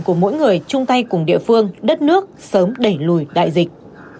của mỗi người chung tay cùng địa phương đất nước sớm đẩy lùi đại dịch